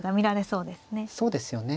そうですよね。